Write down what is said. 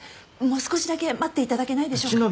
もう少しだけ待って頂けないでしょうか？